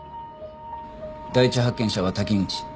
第一発見者は滝口。